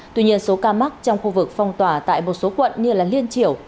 tuy nhiên số ca mắc trong khu vực phong tỏa tại một số quận như liên triểu